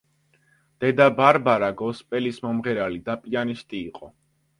დედა ბარბარა გოსპელის მომღერალი და პიანისტი იყო.